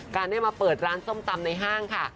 ได้มาเปิดร้านส้มตำในห้างค่ะ